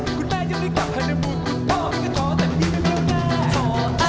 คุณแม่ยังไม่กลับฮันบุคคุณพ่อมันก็ต้องแต่มีใครก็ไม่มีเราแม่